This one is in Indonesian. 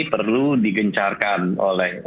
perlu digencarkan oleh